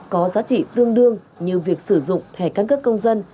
có giá trị tương đương như việc sử dụng thẻ căn cước công dân